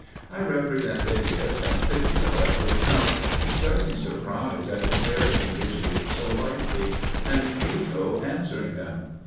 I represent Laelius and Scipio at his house expressing surprise at his carrying his years so lightly, and Cato answering them.